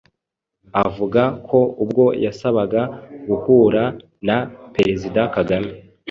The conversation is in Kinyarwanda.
avuga ko ubwo yasabaga guhura na Perezida Kagame,